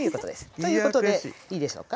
ということでいいでしょうか。